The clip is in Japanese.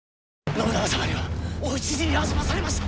信長様にはお討ち死にあそばされました！